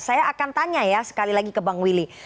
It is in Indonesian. saya akan tanya ya sekali lagi ke bang willy